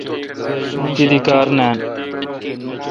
تی دی کار نان۔